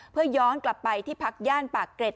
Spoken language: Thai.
เพื่อย้อนกลับไปที่พักย่านปากเกร็ด